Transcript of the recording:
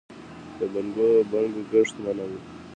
د بنګو کښت منع دی